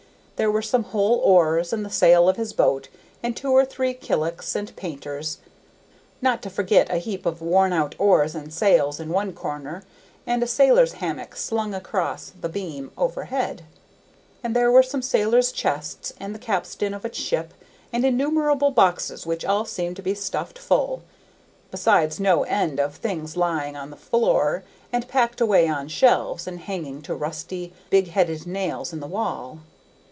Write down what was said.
There were some whole oars and the sail of his boat and two or three killicks and painters, not to forget a heap of worn out oars and sails in one corner and a sailor's hammock slung across the beam overhead, and there were some sailor's chests and the capstan of a ship and innumerable boxes which all seemed to be stuffed full, besides no end of things lying on the floor and packed away on shelves and hanging to rusty big headed nails in the wall.